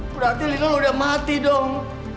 berarti lil udah mati dong